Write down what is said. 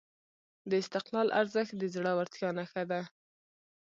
د استقلال ارزښت د زړورتیا نښه ده.